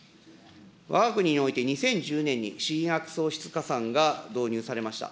わが国において、２０１２年に新薬創出加算が導入されました。